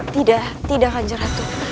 tidak tidak kan jenratu